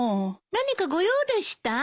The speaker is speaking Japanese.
何かご用でした？